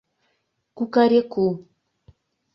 — Кукареку!..